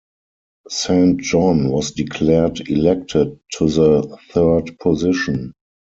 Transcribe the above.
Saint John was declared elected to the third position.